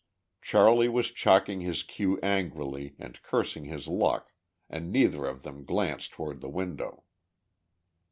Charley was chalking his cue angrily and cursing his luck and neither of them glanced toward the window.